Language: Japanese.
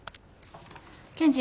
検事。